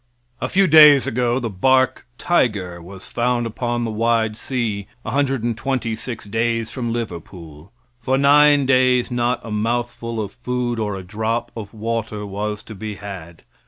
A few days ago the bark Tiger was found upon the wide sea 126 days from Liverpool. For nine days not a mouthful of food or a drop of water was to be had.